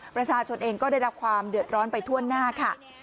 ประชาชนเองก็ได้รับความเดือดร้อนไปทั่วหน้าค่ะ